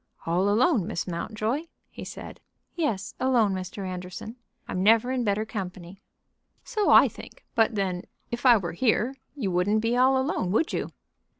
"All alone, Miss Mountjoy?" he said. "Yes, alone, Mr. Anderson. I'm never in better company." "So I think; but then if I were here you wouldn't be all alone, would you?"